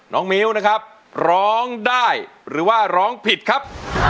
มิ้วนะครับร้องได้หรือว่าร้องผิดครับ